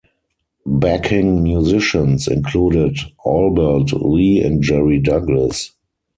Backing musicians included Albert Lee and Jerry Douglas.